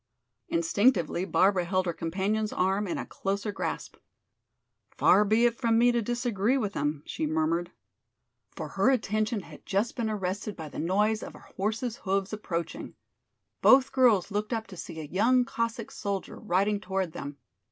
Instinctively Barbara held her companion's arm in a closer grasp. "Far be it from me to disagree with him!" she murmured. For her attention had just been arrested by the noise of a horse's hoofs approaching. Both girls looked up to see a young Cossack soldier riding toward them.